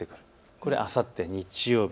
これはあさって日曜日。